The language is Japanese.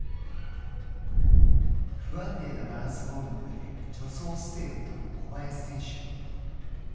不安定なバランスボールの上で助走姿勢を取る小林選手。